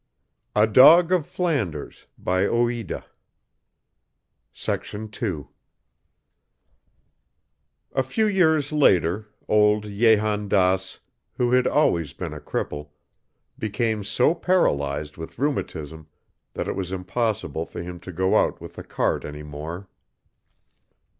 A few years later, old Jehan Daas, who had always been a cripple, became so paralyzed with rheumatism that it was impossible for him to go out with the cart any more.